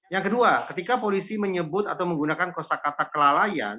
yang kedua ketika polisi menyebut atau menggunakan kosa kata kelalaian